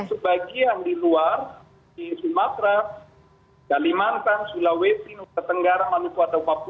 tapi sebagian di luar di sumatra kalimantan sulawesi nusa tenggara manitoba atau papua